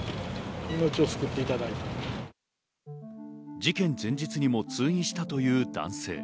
事件前日にも通院したという男性。